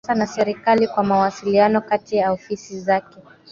inayotumiwa hasa na serikali kwa mawasiliano kati ya ofisi zake